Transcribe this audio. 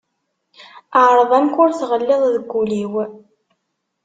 Ԑreḍ amek ur tɣelliḍ deg ul-iw.